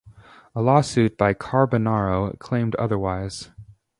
A lawsuit by Carbonaro claimed otherwise.